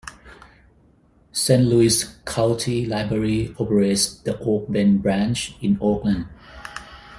Saint Louis County Library operates the Oak Bend Branch in Oakland.